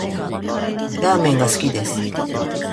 ラーメンが好きです